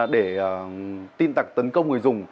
để tin tặc tấn công người dùng